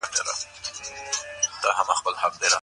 بهرنیو پانګوالو په افغانستان کي سرمایه ګذاري کوله.